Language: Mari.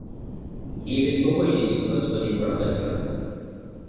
Не беспокойтесь, господин профессор.